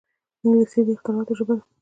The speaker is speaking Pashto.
انګلیسي د اختراعاتو ژبه ده